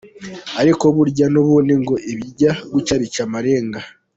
Ariko burya n’ubundi ngo ibijya gucika bica amarenga.